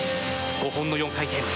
５本の４回転。